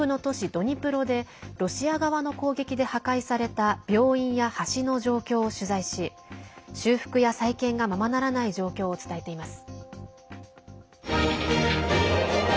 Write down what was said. ドニプロでロシア側の攻撃で破壊された病院や橋の状況を取材し修復や再建がままならない状況を伝えています。